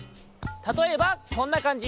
たとえばこんなかんじ。